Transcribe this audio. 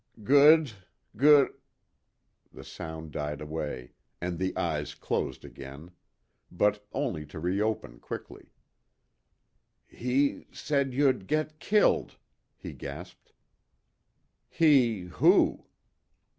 "Good goo " The sound died away, and the eyes closed again. But only to reopen quickly. "He said you'd get killed," he gasped. "He who?"